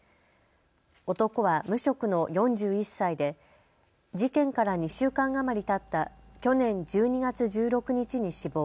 男は無職の４１歳で事件から２週間余りたった去年１２月１６日に死亡。